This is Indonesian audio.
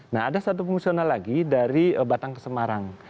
nah ada satu fungsional lagi dari batang ke semarang